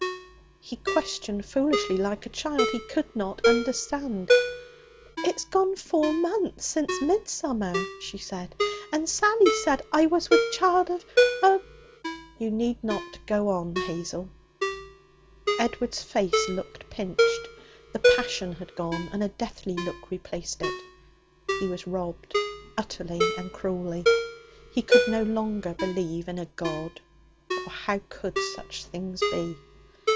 He questioned foolishly, like a child. He could not understand. 'It's gone four month since midsummer,' she said, 'and Sally said I was wi' child of of ' 'You need not go on, Hazel.' Edward's face looked pinched. The passion had gone, and a deathly look replaced it. He was robbed, utterly and cruelly. He could no longer believe in a God, or how could such things be?